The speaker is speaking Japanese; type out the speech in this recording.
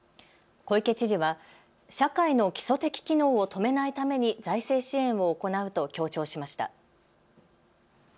小池知事は社会の基礎的機能を止めないために財政支援を行うと強調しました。